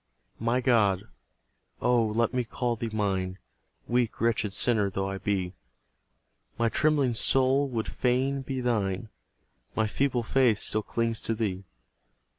My God (oh, let me call Thee mine, Weak, wretched sinner though I be), My trembling soul would fain be Thine; My feeble faith still clings to Thee.